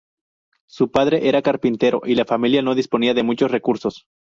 Su padre era carpintero y la familia no disponía de muchos recursos.